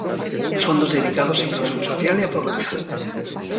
Fondos dedicados á inclusión social e á pobreza.